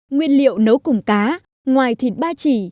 nguyên liệu nấu cùng cá ngoài thịt ba chỉ